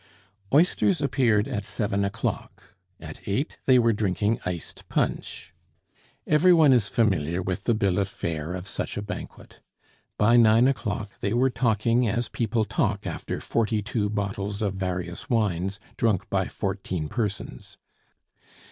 Oysters appeared at seven o'clock; at eight they were drinking iced punch. Every one is familiar with the bill of fare of such a banquet. By nine o'clock they were talking as people talk after forty two bottles of various wines, drunk by fourteen persons.